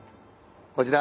こちら。